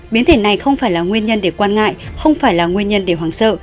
biến thể này không phải là nguyên nhân để quan ngại không phải là nguyên nhân để hoàng sợ